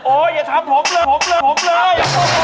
อย่าทำผมเลยผมเลยผมเลย